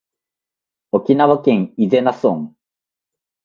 沖縄県伊是名村